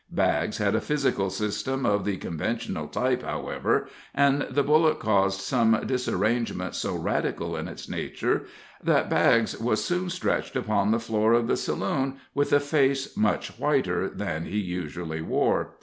Baggs had a physical system of the conventional type, however, and the bullet caused some disarrangement so radical in its nature, that Baggs was soon stretched upon the floor of the saloon, with a face much whiter than he usually wore.